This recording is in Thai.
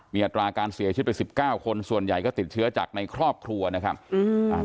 มีอัตราการเสียชีวิตไปสิบเก้าคนส่วนใหญ่ก็ติดเชื้อจากในครอบครัวนะครับอืมอ่า